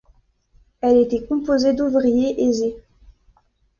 Elle était composée d'ouvriers aisés.